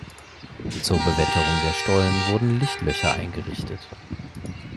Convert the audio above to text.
Zur Bewetterung der Stollen wurden Lichtlöcher eingerichtet.